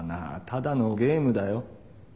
ただのゲームだよ。